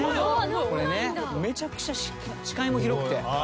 めちゃくちゃ視界も広くて。